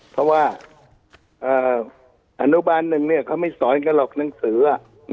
เพราะว่าอนุบาลหนึ่งเขาไม่สอนกันหรอกหนังสือ